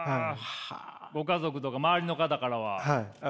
ご家族とか周りの方からは？